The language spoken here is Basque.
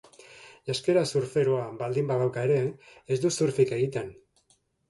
Janzkera surferoa baldin badauka ere, ez du surfik egiten.